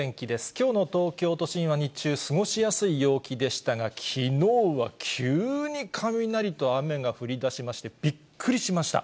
きょうの東京都心は日中、過ごしやすい陽気でしたが、きのうは急に雷と雨が降りだしまして、びっくりしました。